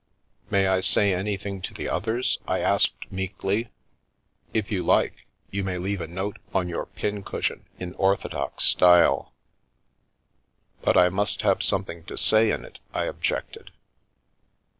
" May I say anything to the others? " I asked, meekly. "If you like, you may leave a note on your pin cushion, in orthodox style." " But I must have something to say in it," I objected.